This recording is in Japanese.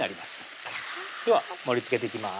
キャーでは盛りつけていきます